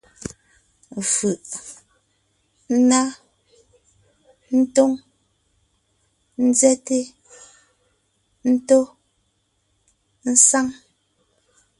Fʉʼ: ńná, ńtóŋ, ńzɛ́te, ńtó, ésáŋ.